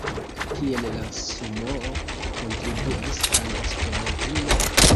Kiel la sumoo kontribuas al Esperantujo?